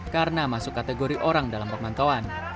karena masuk kategori orang dalam permantauan